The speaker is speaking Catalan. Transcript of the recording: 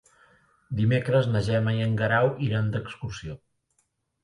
Dimecres na Gemma i en Guerau iran d'excursió.